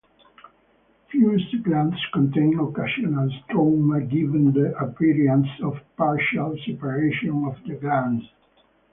Fused glands contain occasional stroma giving the appearance of "partial" separation of the glands.